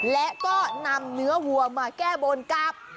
และก็นำเนื้อวัวมาแก้บนกับ